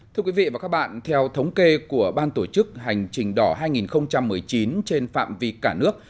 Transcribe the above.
thưa quý vị và các bạn theo thống kê của ban tổ chức hành trình đỏ hai nghìn một mươi chín trên phạm vi cả nước